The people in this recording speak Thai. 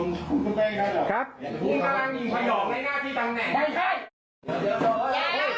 ทำไมพูดใจเย็น